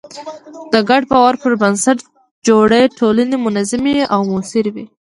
د ګډ باور پر بنسټ جوړې ټولنې منظمې او موثرې وي.